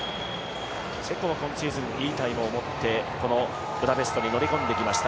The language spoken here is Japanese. チェコも今シーズン、いいタイムを持ってこのブダペストに乗り込んできました。